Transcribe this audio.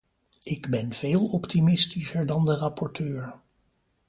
Ik ben veel optimistischer dan de rapporteur.